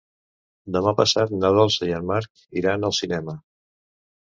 Demà passat na Dolça i en Marc iran al cinema.